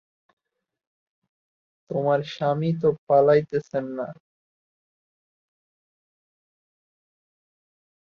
তোমার স্বামী তো পালাইতেছেন না।